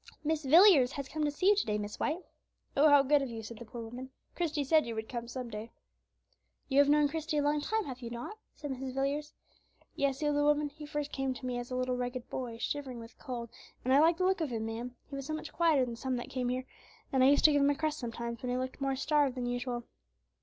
"Mrs. Villiers has come to see you to day, Mrs. White." "Oh! how good of you," said the poor woman; "Christie said you would come some day." "You have known Christie a long time, have you not?" said Mrs. Villiers. "Yes," said the old woman, "he came to me first as a little ragged boy, shivering with cold; and I liked the look of him, ma'am, he was so much quieter than some that came here; and I used to give him a crust sometimes, when he looked more starved than usual."